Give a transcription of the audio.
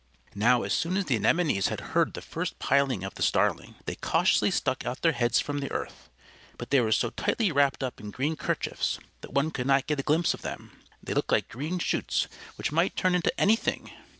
Now as soon as the Anemones had heard the first piling of the Starling, they cautiously stuck out their heads from the earth. But they were so tightly wrapped up in green kerchiefs that one could not get a glimpse of them. They looked like green shoots which might turn into anything.